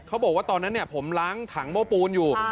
เขาบอกว่าตอนนั้นผมล้างถังโม้ปูนอยู่